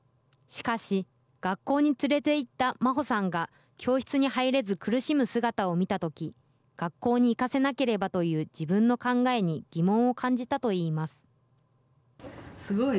しかし、学校に連れて行った真歩さんが教室に入れず苦しむ姿を見たとき、学校に行かせなければという自分の考えに疑問を感じたといいます。